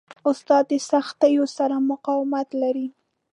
استاد د سختیو سره مقاومت لري.